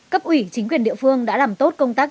cấp ủy chính quyền địa phương đã làm tốt công tác